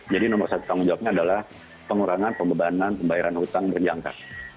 jadi nomor satu tanggung jawabnya adalah pengurangan pembebanan pembayaran hutang berjangka